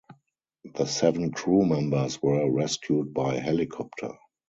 The seven crew members were rescued by helicopter.